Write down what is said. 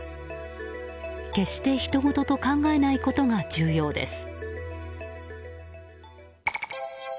決してひとごとと考えないことが重要です。